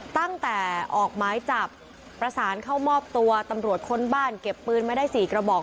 ตั้งแต่ออกหมายจับประสานเข้ามอบตัวตำรวจค้นบ้านเก็บปืนมาได้๔กระบอก